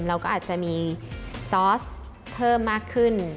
เราก็อาจจะมีซอสเพิ่มมากขึ้น